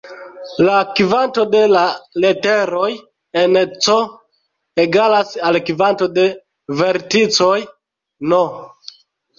La kvanto de lateroj en "C" egalas al kvanto de verticoj "n".